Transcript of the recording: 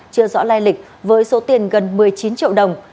chưa rõ lai lịch với số tiền gần một mươi chín triệu đồng